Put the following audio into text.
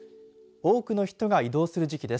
多くの人が移動する時期です。